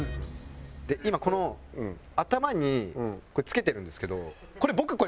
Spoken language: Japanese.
で今この頭にこれ着けてるんですけどこれ僕。何？